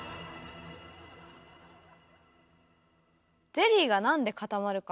ゼリーがなんで固まるか？